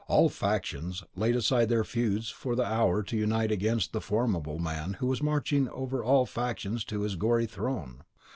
All factions laid aside their feuds for the hour to unite against the formidable man who was marching over all factions to his gory throne.